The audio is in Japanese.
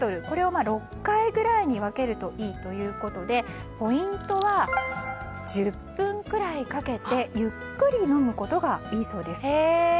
これを６回ぐらいに分けるといいということでポイントは１０分くらいかけてゆっくり飲むことがいいそうです。